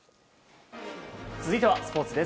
続いてはスポーツです。